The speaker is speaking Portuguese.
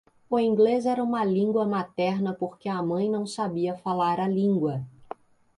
O inglês era a língua materna porque a mãe não sabia falar a língua.